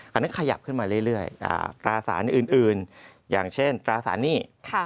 อันนี้ขยับขึ้นมาเรื่อยตราสารอื่นอย่างเช่นตราสารหนี้